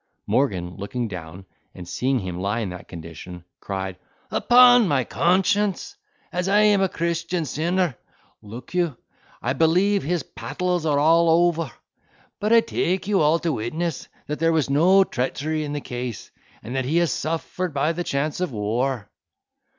Morgan, looking down, and seeing him lie in that condition, cried, "Upon my conscience, as I am a Christian sinner, (look you,) I believe his pattles are all ofer; but I take you all to witness that there was no treachery in the case, and that he has suffered by the chance of war."